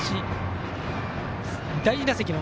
第２打席。